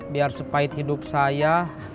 biar sepahit hidup saya